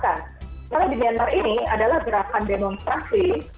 karena di myanmar ini adalah gerakan demokrasi